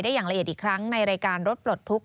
อย่างละเอียดอีกครั้งในรายการรถปลดทุกข